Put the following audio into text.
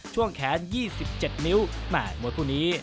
ช่วงแขน๒๗นิ้วแม่มวยคู่นี้